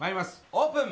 オープン！